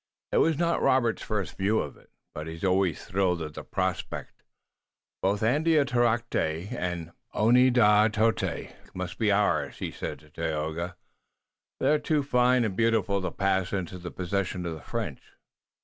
It was not Robert's first view of it, but he always thrilled at the prospect. "Both Andiatarocte and Oneadatote must be ours," he said to Tayoga. "They're too fine and beautiful to pass into possession of the French."